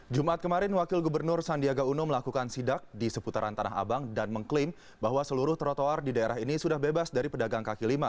jumat kemarin wakil gubernur sandiaga uno melakukan sidak di seputaran tanah abang dan mengklaim bahwa seluruh trotoar di daerah ini sudah bebas dari pedagang kaki lima